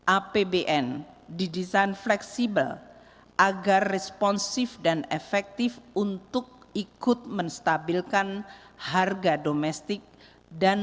apbn didesain fleksibel agar responsif dan efektif untuk ikut menstabilkan harga domestik dan